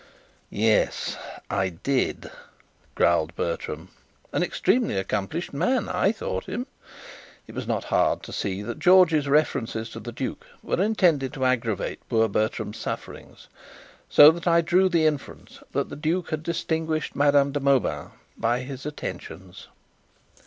"Yes, I did," growled Bertram. "An extremely accomplished man, I thought him." It was not hard to see that George's references to the duke were intended to aggravate poor Bertram's sufferings, so that I drew the inference that the duke had distinguished Madame de Mauban by his attentions.